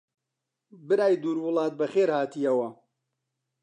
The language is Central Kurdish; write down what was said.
برای دوور وڵات بەخێر هاتیەوە!